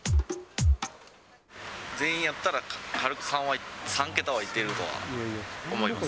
全員やったら、軽く３は、３桁はいってるとは思います。